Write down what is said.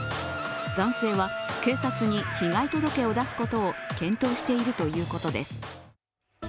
男性は警察に被害届を出すことを検討しているということです。